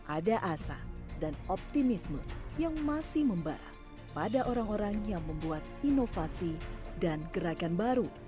ada asa dan optimisme yang masih membara pada orang orang yang membuat inovasi dan gerakan baru